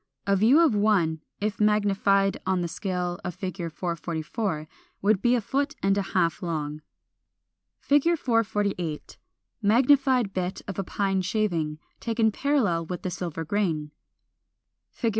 A view of one, if magnified on the scale of Fig. 444, would be a foot and a half long. [Illustration: Fig. 448. Magnified bit of a pine shaving, taken parallel with the silver grain. 449.